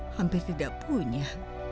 hampir tidak punya